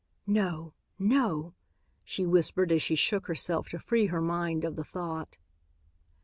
"No, no!" she whispered as she shook herself to free her mind of the thought.